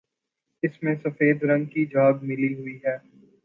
اس میں سفید رنگ کی جھاگ ملی ہوئی ہے